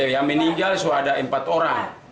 yang meninggal sudah ada empat orang